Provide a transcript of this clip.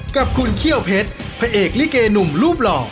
กับคุณเขี้ยวเพชรพระเอกลิเกหนุ่มรูปหล่อ